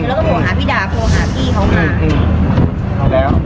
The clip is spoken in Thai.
แล้วก็โทรหาพี่ดาโทรหาพี่เข้ามา